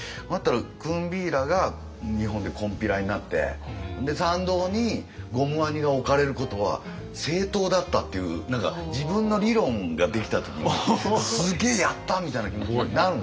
クンビーラが日本で金毘羅になってで参道にゴムワニが置かれることは正当だったっていう何か自分の理論ができた時に「すげえやった！」みたいな気持ちになるんですよ。